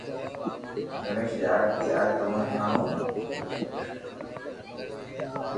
گڻآݾ ري آرتي آج تموني ھڻاو